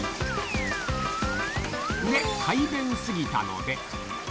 で、快便すぎたので。